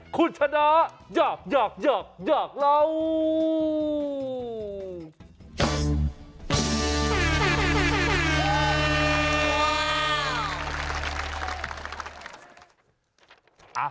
คุณชนะอยากอยากอยากอยากเรา